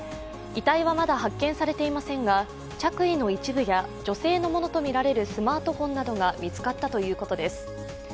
遺体はまだ発見されていませんが、着衣の一部や女性のものとみられるスマートフォンなどが見つかったということです。